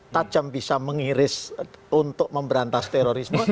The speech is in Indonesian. tajam bisa mengiris untuk memberantas terorisme